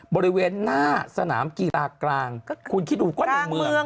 บริเวณหน้าสนามกีฬากลางคุณคิดดูก็ในเมือง